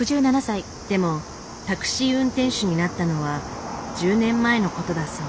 でもタクシー運転手になったのは１０年前のことだそう。